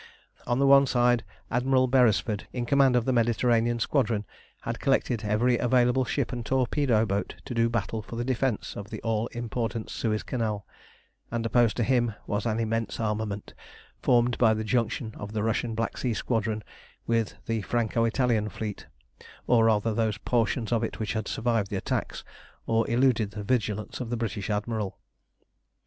On the one side Admiral Beresford, in command of the Mediterranean Squadron, had collected every available ship and torpedo boat to do battle for the defence of the all important Suez Canal, and opposed to him was an immense armament formed by the junction of the Russian Black Sea Squadron with the Franco Italian fleet, or rather those portions of it which had survived the attacks, or eluded the vigilance of the British Admiral.